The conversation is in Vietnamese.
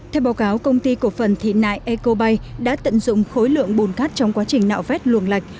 theo báo cáo công ty cổ phần thị nại ecobay đã tận dụng khối lượng bùn cát trong quá trình nạo vét luồng lạch